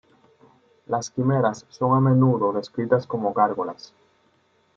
Las quimeras son a menudo descritas como gárgolas.